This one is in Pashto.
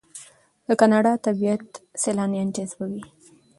د کاناډا طبیعت سیلانیان جذبوي.